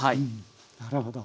なるほど。